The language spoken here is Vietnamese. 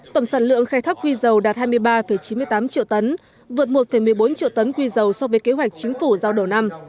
tổng sản lượng khai thác quy dầu đạt hai mươi ba chín mươi tám triệu tấn vượt một một mươi bốn triệu tấn quy dầu so với kế hoạch chính phủ giao đầu năm